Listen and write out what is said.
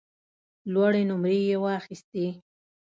لوړې نمرې یې واخیستې.